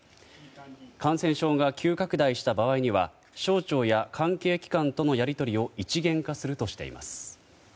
感染症が急拡大した場合には省庁や関係機関とのやり取りを一元化するとしています。